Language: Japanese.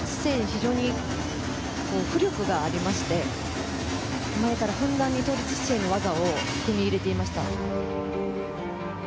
非常に浮力がありまして前からふんだんに倒立姿勢の技を取り入れていました。